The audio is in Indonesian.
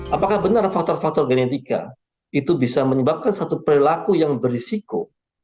apakah benar faktor faktor genetika itu bisa menyebabkan satu perilaku yang berisiko